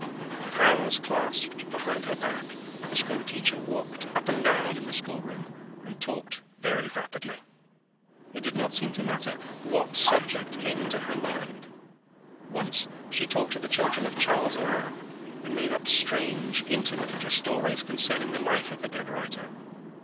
With hands clasped behind her back the school teacher walked up and down in the schoolroom and talked very rapidly. It did not seem to matter what subject came into her mind. Once she talked to the children of Charles Lamb and made up strange, intimate little stories concerning the life of the dead writer.